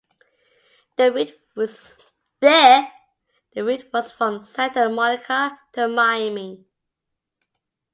The route was from Santa Monica to Miami.